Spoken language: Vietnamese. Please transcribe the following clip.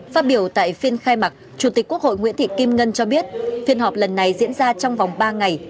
phát biểu tại phiên khai mạc chủ tịch quốc hội nguyễn thị kim ngân cho biết phiên họp lần này diễn ra trong vòng ba ngày